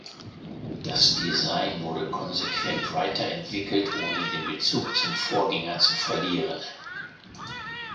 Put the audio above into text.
Das Design wurde konsequent weiterentwickelt, ohne den Bezug zum Vorgänger zu verlieren.